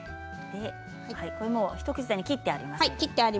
一口大に切ってあります。